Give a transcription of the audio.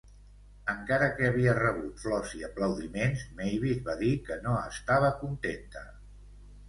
Encara que havia rebut flors i aplaudiments, Mavis va dir que no estava contenta.